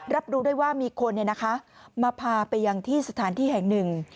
รับรู้ได้ว่ามีคนมาพาไปยังที่สถานที่แห่งหนึ่ง